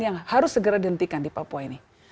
yang harus segera dihentikan di papua ini